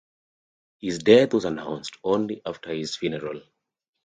His death was announced only after his funeral.